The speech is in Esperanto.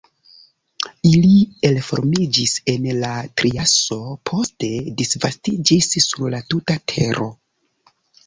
Ili elformiĝis en la triaso, poste disvastiĝis sur la tuta Tero.